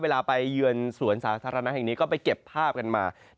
เวลาไปเยือนสวนสาธารณะแห่งนี้ก็ไปเก็บภาพกันมา